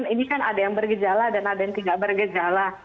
ini kan ada yang bergejala dan ada yang tidak bergejala